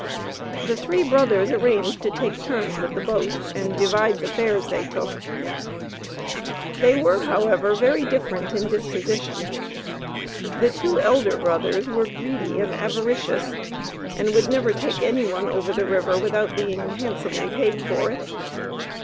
The three brothers arranged to take turns with the boat, and divide the fares they took. They were however very different in disposition. The two elder brothers were greedy and avaricious, and would never take anyone over the river, without being handsomely paid for it.